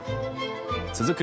続く